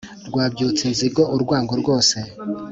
rwabyutsa inzigo urwango rwose